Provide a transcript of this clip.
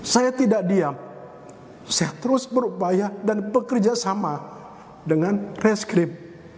saya tidak diam saya terus berupaya dan bekerja sama dengan reskrip